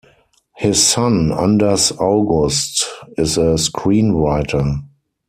His son Anders August is a screenwriter.